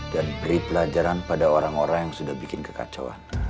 dan beri pelajaran pada orang orang yang sudah bikin kekacauan